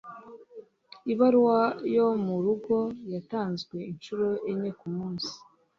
Ibaruwa yo murugo yatanzwe inshuro enye kumunsi